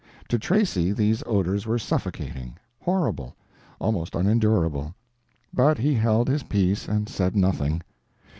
To Tracy these odors were suffocating, horrible, almost unendurable; but he held his peace and said nothing.